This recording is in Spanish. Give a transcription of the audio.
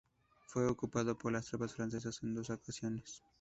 Fue ocupado por las tropas francesas en dos ocasiones.